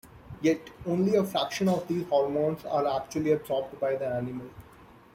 Yet, only a fraction of these hormones are actually absorbed by the animal.